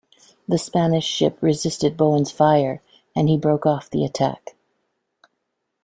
The Spanish ship resisted Bowen's fire, and he broke off the attack.